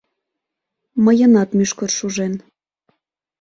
Мыйынат мӱшкыр шужен.